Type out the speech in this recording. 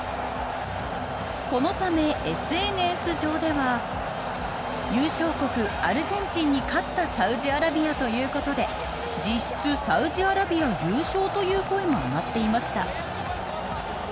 このため、ＳＮＳ上では優勝国アルゼンチンに勝ったサウジアラビアということで実質、サウジアラビア優勝という声も上がっていました。